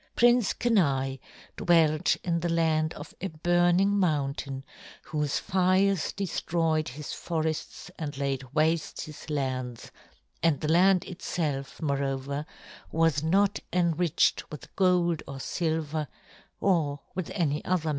Prince Kenai dwelt in the land of a burning mountain whose fires destroyed his forests and laid waste his lands, and the land itself, moreover, was not enriched with gold or silver or with any other metal.